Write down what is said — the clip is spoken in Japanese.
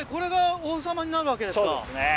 そうですね